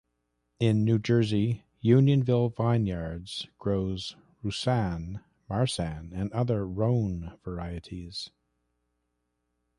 In New Jersey, Unionville Vineyards grows Roussanne, Marsanne, and other Rhone varieties.